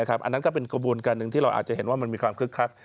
อันนั้นก็เป็นกระบวนการหนึ่งที่เราอาจจะเห็นว่ามันมีความคึกคัก